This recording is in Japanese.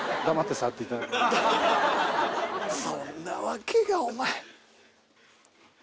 そんなわけがお前。